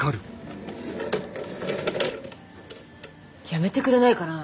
やめてくれないかな